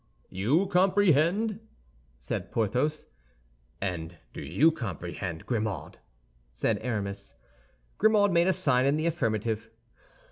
"You comprehend?" said Porthos. "And do you comprehend, Grimaud?" said Aramis. Grimaud made a sign in the affirmative.